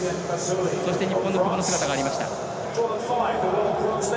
そして日本の久保の姿ありました。